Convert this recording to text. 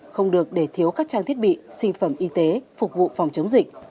không được để thiếu các trang thiết bị sinh phẩm y tế phục vụ phòng chống dịch